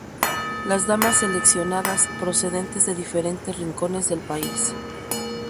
Las damas seleccionadas, procedentes de diferentes rincones del país.